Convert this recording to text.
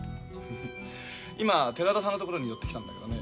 今寺田さんのところに寄ってきたんだけどね。